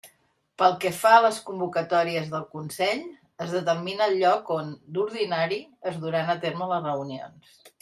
Pel que fa a les convocatòries del Consell, es determina el lloc on, d'ordinari, es duran a terme les reunions.